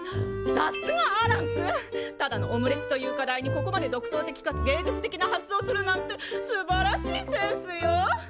さっすがアランくんただのオムレツという課題にここまで独創的かつ芸術的な発想をするなんてすばらしいセンスよ！